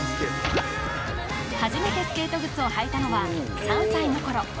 初めてスケート靴を履いたのは３歳のころ。